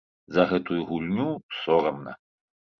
За гэтую гульню сорамна.